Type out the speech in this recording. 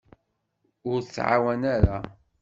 Ur tɛawen ara.